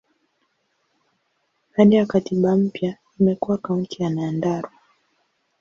Baada ya katiba mpya, imekuwa Kaunti ya Nyandarua.